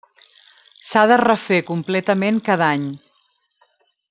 S'ha de refer completament cada any.